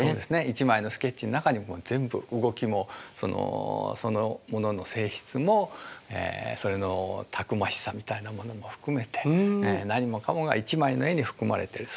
一枚のスケッチの中にもう全部動きもそのものの性質もそれのたくましさみたいなものも含めて何もかもが一枚の絵に含まれてる。